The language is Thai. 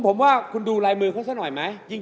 ผมว่าคุณดูลายมือเขาซะหน่อยไหม